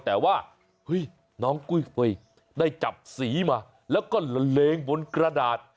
แต่ว่าเฮ้ยน้องกุ้ยได้จับสีมาแล้วก็ละเลงบนกระดาษ